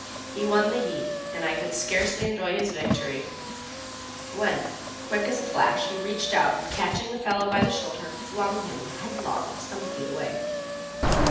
He won the heat, and I was scarcely enjoying his victory when, quick as a flash, he reached out and catching the fellow by the shoulder flung him headlong some feet away.